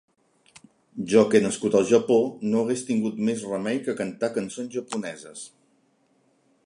Jo que he nascut al Japó, no hagués tingut més remei que cantar cançons japoneses.